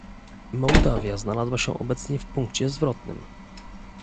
Mołdawia znalazła się obecnie w punkcie zwrotnym